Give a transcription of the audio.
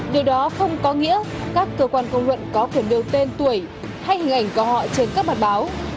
đó không có nghĩa các cơ quan công luận có thể nêu tên tuổi hay hình ảnh của họ trên các bản báo